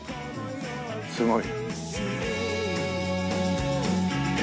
すごい。